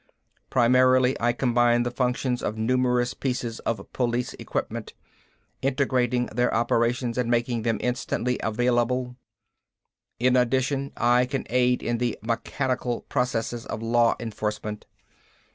Primarily I combine the functions of numerous pieces of police equipment, integrating their operations and making them instantly available. In addition I can aid in the mechanical processes of law enforcement.